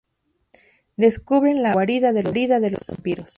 Descubren la guarida de los vampiros.